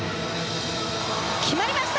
決まりました！